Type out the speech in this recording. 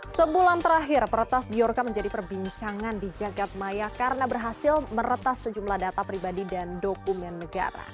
sebulan terakhir peretas biorka menjadi perbincangan di jagadmaya karena berhasil meretas sejumlah data pribadi dan dokumen negara